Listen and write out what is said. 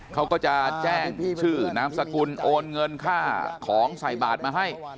เขาก็จะแจ้งชื่อนามสกุลโอนเงินค่าของใส่บาทมาให้